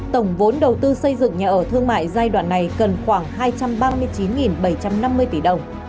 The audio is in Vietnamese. tổng vốn đầu tư xây dựng nhà ở thương mại giai đoạn này cần khoảng hai trăm ba mươi chín bảy trăm năm mươi tỷ đồng